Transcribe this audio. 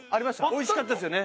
おいしかったですよね。